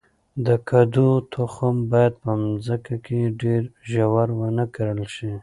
د کدو تخم باید په مځکه کې ډیر ژور ونه کرل شي.